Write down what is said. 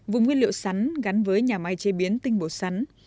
vùng nguyên liệu sắn gắn với nhà máy chế biến tinh bột sắn